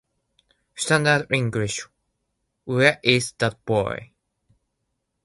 Standard English: Where is that boy?